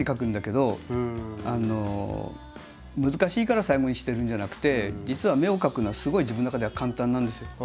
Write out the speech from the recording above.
難しいから最後にしてるんじゃなくて実は目を描くのはすごい自分の中では簡単なんですよ。